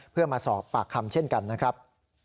เพื่อมาสอบปากคำเช่นกันนะครับ